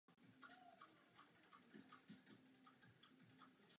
V parlamentu patřil mezi méně aktivní poslance.